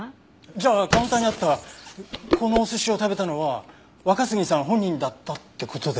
じゃあカウンターにあったこのお寿司を食べたのは若杉さん本人だったって事ですか。